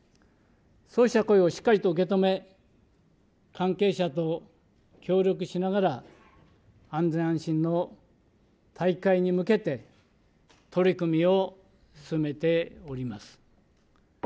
そうした声をしっかりと受け止め、関係者と協力しながら、安全安心の大会に向けて、取り組みを進めております。